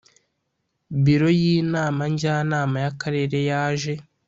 biro y inama njyanama y akarere yaje